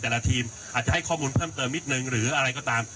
แต่ละทีมอาจจะให้ข้อมูลเพิ่มเติมนิดนึงหรืออะไรก็ตาม